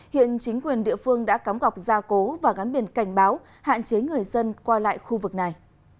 hiện chính quyền địa phương đã cắm gọc gia cố và gắn biển cảnh báo hạn chế người dân qua lại khu vực này